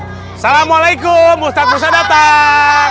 assalamualaikum ustadz musa datang